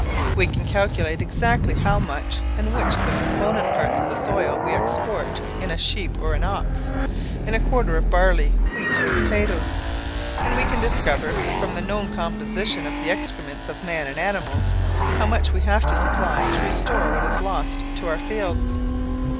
We can calculate exactly how much and which of the component parts of the soil we export in a sheep or an ox, in a quarter of barley, wheat or potatoes, and we can discover, from the known composition of the excrements of man and animals, how much we have to supply to restore what is lost to our fields.